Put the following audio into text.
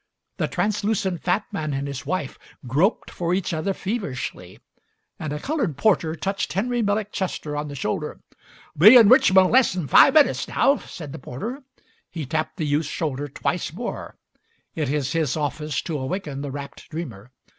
The translucent fat man and his wife groped for each other feverishly, and a coloured porter touched Henry Millick Chester on the shoulder. "Be in Richmon' less'n fi' minutes now," said the porter. He tapped the youth's shoulder twice more; it is his office to awaken the rapt dreamer.